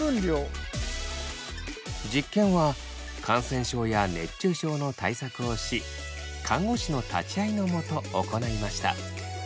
実験は感染症や熱中症の対策をし看護師の立ちあいのもと行いました。